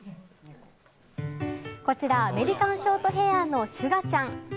こちら、アメリカンショートヘアのシュガちゃん。